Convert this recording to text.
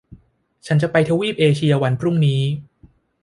ฉันจะไปทวีปเอเชียวันพรุ่งนี้